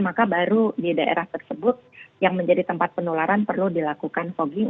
maka baru di daerah tersebut yang menjadi tempat penularan perlu dilakukan fogging